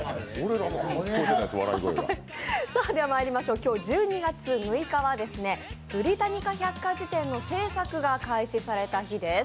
今日１２月６日はブリタニカ百科事典の制作が開始された日です。